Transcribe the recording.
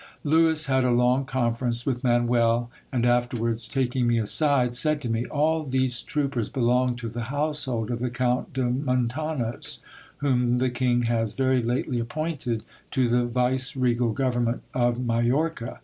Lewis had a long conference with Manuel ; and afterwards, taking me aside, said to me : All these troopers belong to the household of the Count de Mon tanos, whom the king has very lately appointed to the vice regal government of Majorca.